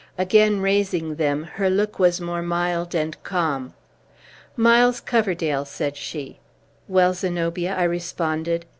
Again raising them, her look was more mild and calm. "Miles Coverdale!" said she. "Well, Zenobia," I responded.